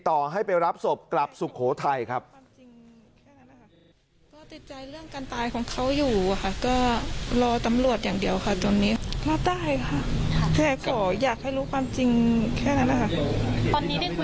โรงพยาบาลตำรวจติดต่อให้ไปรับศพกลับสุโขทัยครับ